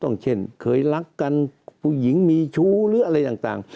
เช่นเคยรักกันผู้หญิงมีชู้หรืออะไรต่าง